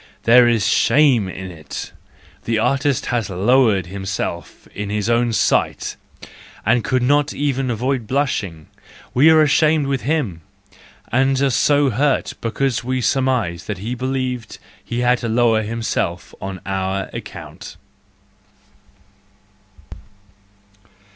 There is shame in it, the artist has lowered himself in his own sight, and could not even avoid blushing: we are ashamed with him, and are so hurt because we surmise that he believed he had to lower him¬ self on our account.